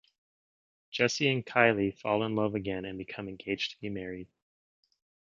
Jesse and Kylie fall in love again and become engaged to be married.